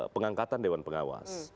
pengangkatan dewan pengawas